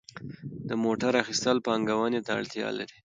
د موټر اخیستل پانګونې ته اړتیا لري.